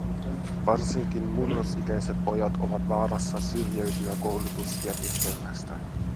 Varsinkin murrosikäiset pojat ovat vaarassa syrjäytyä koulutusjärjestelmästä.